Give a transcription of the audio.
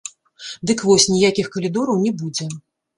Дык вось, ніякіх калідораў не будзе.